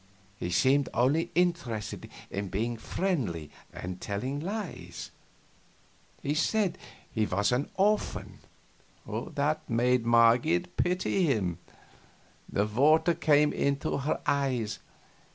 He seemed only interested in being friendly and telling lies. He said he was an orphan. That made Marget pity him. The water came into her eyes.